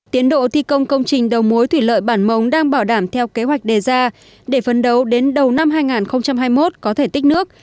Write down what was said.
tiến độ thi công công trình đầu mối thủy lợi bản mồng đang bảo đảm theo kế hoạch đề ra để phấn đấu đến đầu năm hai nghìn hai mươi một có thể tích nước